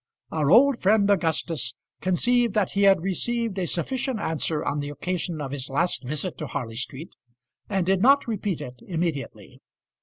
Our old friend Augustus conceived that he had received a sufficient answer on the occasion of his last visit to Harley Street, and did not repeat it immediately.